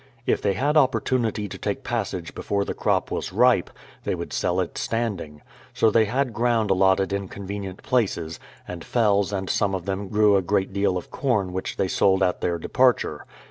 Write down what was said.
If they had opportunity to take passage before the crop was ripe, they would sell it standing. So they had ground , allotted in convenient places, and Fells and some of them grew a great deal of corn which they sold at their de parture.